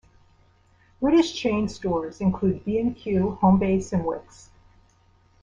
British chain stores include B and Q, Homebase, and Wickes.